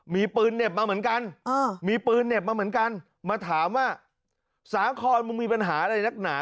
มีปืนเหน็บมาเหมือนกันมีปืนเหน็บมาเหมือนกันมาถามว่าสาครมึงมีปัญหาอะไรนักหนา